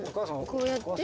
こうやって？